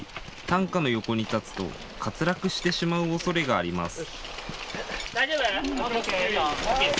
担架の横に立つと滑落してしまうおそれがあります。